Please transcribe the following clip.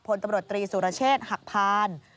พลตำรวจตรีสุรเชษฐ์หักพาน